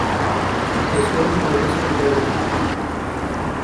El suelo es de baldosa hidráulica.